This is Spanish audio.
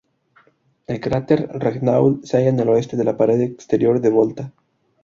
El cráter Regnault se halla en el oeste de la pared exterior de Volta.